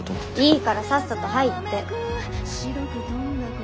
いいからさっさと入って。